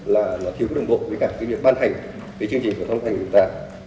là thiếu giáo viên bộ với cả cái việc ban hành cái chương trình phổ thông thành người ta